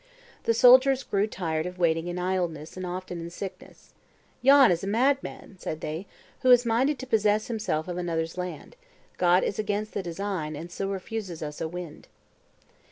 The soldiers grew tired of waiting in idleness and often in sickness. "Yon is a mad man," said they, "who is minded to possess himself of another's land; God is against the design, and so refuses us a wind."